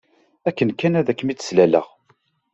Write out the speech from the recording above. Akken kan ad kem-id-slaleɣ